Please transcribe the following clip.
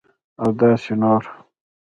اوداسي نور